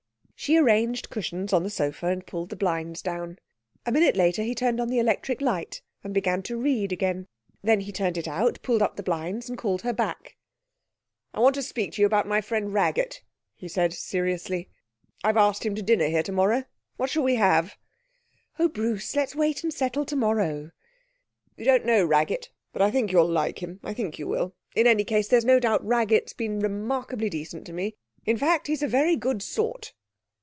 She arranged cushions on the sofa and pulled the blinds down. A minute later he turned on the electric light and began to read again. Then he turned it out, pulled up the blinds, and called her back. 'I want to speak to you about my friend Raggett,' he said seriously. 'I've asked him to dinner here tomorrow. What shall we have?' 'Oh, Bruce! Let's wait and settle tomorrow.' 'You don't know Raggett, but I think you'll like him. I think you will. In any case, there's no doubt Raggett's been remarkably decent to me. In fact, he's a very good sort.'